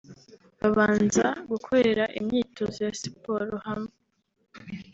babanza gukorera imyitozo ya siporo hamwe